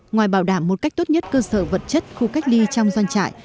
ngoài bảo đảm một cách tốt nhất cơ sở vật chất khu cách ly trong doanh trại